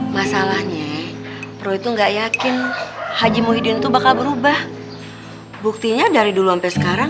masalahnya pro itu enggak yakin haji muhyiddin itu bakal berubah buktinya dari dulu sampai sekarang